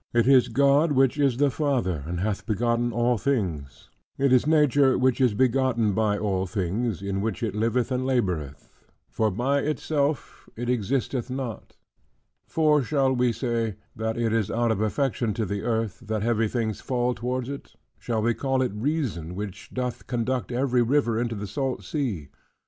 It is God, which is the Father, and hath begotten all things: it is Nature, which is begotten by all things, in which it liveth and laboreth; for by itself it existeth not. For shall we say, that it is out of affection to the earth, that heavy things fall towards it? Shall we call it reason, which doth conduct every river into the salt sea?